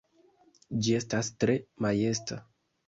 Ĝi estas tre majesta!